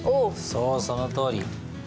そうそのとおり。